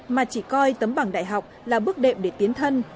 và coi tấm bằng đại học là bước đệm để tiến thân